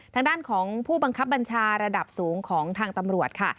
ทางด้านของผู้บังคับบัญชาระดับสูงของทางตำรวจค่ะ